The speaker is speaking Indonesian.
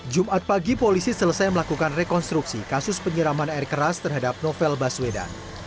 jumat pagi polisi selesai melakukan rekonstruksi kasus penyiraman air keras terhadap novel baswedan